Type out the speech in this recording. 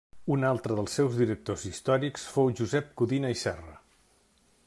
Un altre dels seus directors històrics fou Josep Codina i Serra.